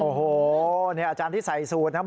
โอ้โหเนี่ยอาจารย์ที่ใส่สูตรนะบ้างนะครับ